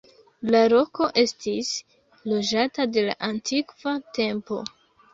La loko estis loĝata de la antikva tempo.